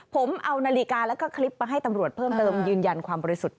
ผมเอานาฬิกาแล้วก็คลิปมาให้ตำรวจเพิ่มเติมยืนยันความบริสุทธิ์